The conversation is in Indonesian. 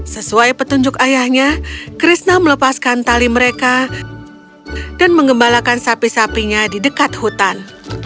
sesuai petunjuk ayahnya krishna melepaskan tali mereka dan mengembalakan sapi sapinya di dekat hutan